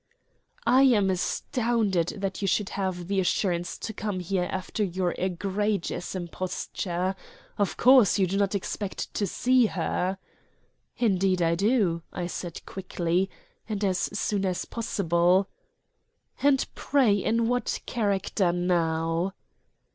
"I am astounded that you should have the assurance to come here after your egregious imposture. Of course you do not expect to see her?" "Indeed I do," said I quickly, "and as soon as possible." "And pray in what character now?"